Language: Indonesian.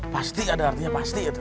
pasti ada artinya pasti itu